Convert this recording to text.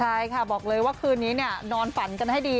ใช่ค่ะบอกเลยว่าคืนนี้นอนฝันกันให้ดี